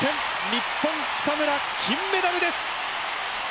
日本草村金メダルです！